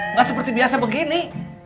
nggak seperti biasa begini